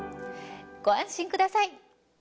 ご安心ください。